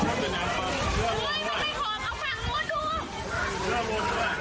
ท่องเที่ยวเกิดขึ้นในน้ำ